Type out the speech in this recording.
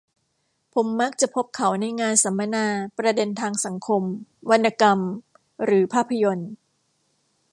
ผมมักจะพบเขาในงานสัมมนาประเด็นทางสังคม วรรณกรรม หรือภาพยนตร์